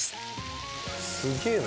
すげえな。